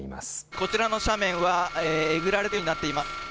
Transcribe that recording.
こちらの斜面はえぐられたようになっています。